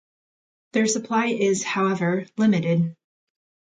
Their supply is, however, limited.